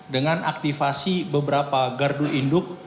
dengan aktifasi beberapa gardu induk